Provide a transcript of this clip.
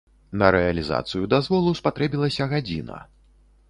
На рэалізацыю дазволу спатрэбілася гадзіна.